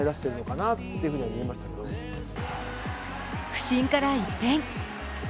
不振から一変。